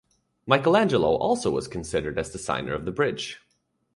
Michelangelo also was considered as designer of the bridge.